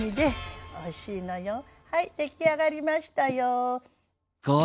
はい出来上がりましたよ。